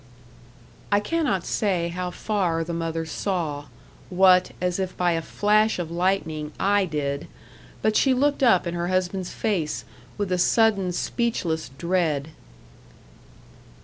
I cannot say how far the mother saw what, as if by a flash of lightning, I did; but she looked up in her husband's face, with a sudden speechless dread.